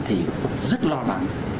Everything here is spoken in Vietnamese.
thì cũng rất lo lắng